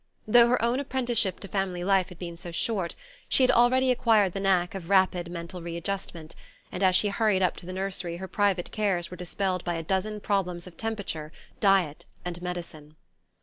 Though her own apprenticeship to family life had been so short, she had already acquired the knack of rapid mental readjustment, and as she hurried up to the nursery her private cares were dispelled by a dozen problems of temperature, diet and medicine.